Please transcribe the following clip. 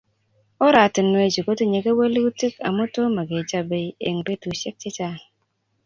Oratinwechu kotinyei kewelutik amu tomo kechobe eng betusiek chechang